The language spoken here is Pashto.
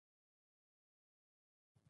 ژوند دسختیو کور دی